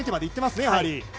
いっていますね。